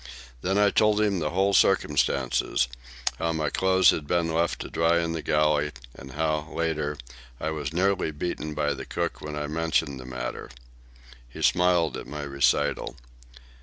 Then I told him the whole circumstance, how my clothes had been left to dry in the galley, and how, later, I was nearly beaten by the cook when I mentioned the matter. He smiled at my recital.